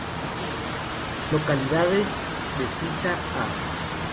Localidades de Suiza A